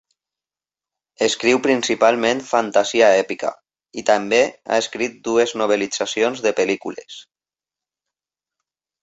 Escriu principalment fantasia èpica, i també ha escrit dues novel·litzacions de pel·lícules.